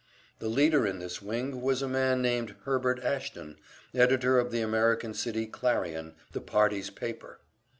The leader in this wing was a man named Herbert Ashton, editor of the American City "Clarion," the party's paper.